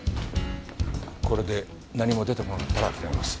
これで何も出てこなかったら諦めます。